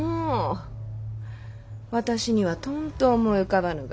私にはとんと思い浮かばぬが。